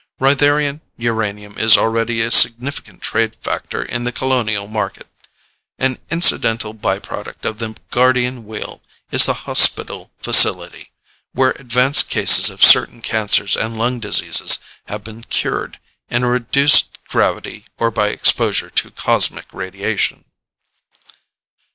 Rytharian uranium is already a significant trade factor in the colonial market. An incidental by product of the Guardian Wheel is the hospital facility, where advanced cases of certain cancers and lung diseases have been cured in a reduced gravity or by exposure to cosmic radiation."